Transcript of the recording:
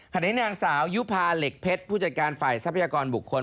ขณะนี้นางสาวยุภาเหล็กเพชรผู้จัดการฝ่ายทรัพยากรบุคคล